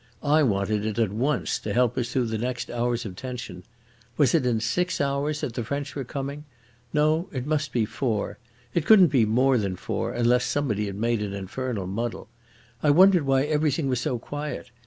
I wanted it at once to help us through the next hours of tension. Was it in six hours that the French were coming? No, it must be four. It couldn't be more than four, unless somebody had made an infernal muddle. I wondered why everything was so quiet.